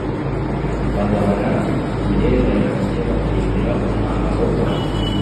Bagabana imyenda yanjye, bafindira umwambaro wanjye.”